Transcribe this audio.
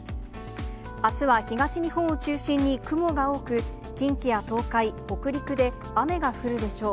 あすは東日本を中心に、雲が多く、近畿や東海、北陸で雨が降るでしょう。